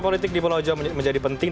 politik di pulau jawa menjadi penting